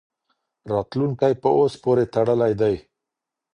راتلونکی په اوس پوري تړلی دی.